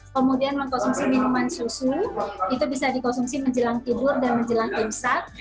kemudian mengkonsumsi minuman susu itu bisa dikonsumsi menjelang tidur dan menjelang imsak